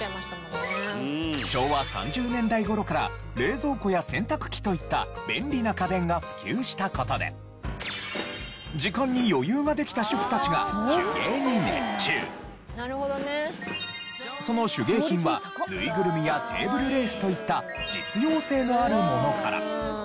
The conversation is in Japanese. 昭和３０年代頃から冷蔵庫や洗濯機といった便利な家電が普及した事で時間に余裕ができたその手芸品はぬいぐるみやテーブルレースといった実用性のあるものから。